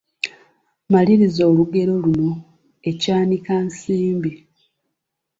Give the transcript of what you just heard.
Maliriza olugero luno: Ekyanika nsimbi, ……